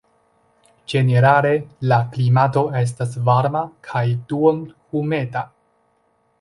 Ĝenerale la klimato estas varma kaj duonhumeda.